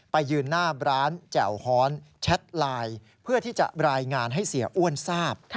ไปยืนหน้าร้านแจ่วฮ้อนแชทไลน์เพื่อที่จะรายงานให้เสียอ้วนทราบ